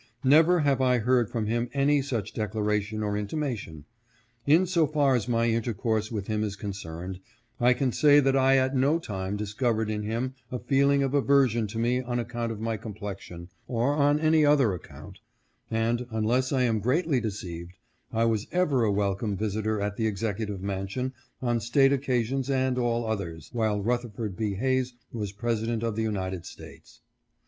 Never have I heard from him any such declaration or intimation. In so far as my intercourse with him is concerned, I can say that I at no time discovered in him a feeling of aversion to me on account of my complexion, or on any other account, and, unless I am greatly de ceived, I was ever a welcome visitor at the Executive Mansion on state occasions and all others, while Ruther ford B. Hayes was President of the United States.